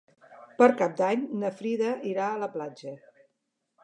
Per Cap d'Any na Frida irà a la platja.